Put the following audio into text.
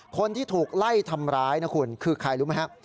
คนที่ถูกไล่ทำร้ายนะคุณคือใครรู้ไหมครับ